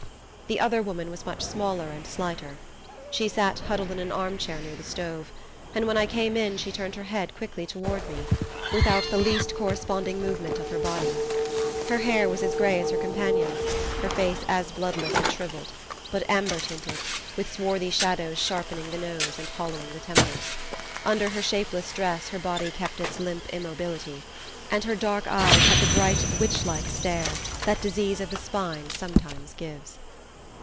The other woman was much smaller and slighter. She sat huddled in an arm chair near the stove, and when I came in she turned her head quickly toward me, without the least corresponding movement of her body. Her hair was as grey as her companion's, her face as bloodless and shrivelled, but amber tinted, with swarthy shadows sharpening the nose and hollowing the temples. Under her shapeless dress her body kept its limp immobility, and her dark eyes had the bright witch like stare that disease of the spine sometimes gives.